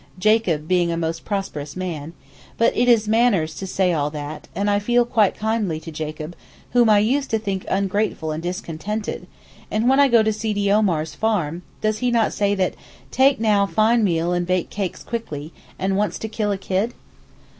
(Jacob being a most prosperous man); but it is manners to say all that, and I feel quite kindly to Jacob, whom I used to think ungrateful and discontented; and when I go to Sidi Omar's farm, does he not say, 'Take now fine meal and bake cakes quickly,' and wants to kill a kid?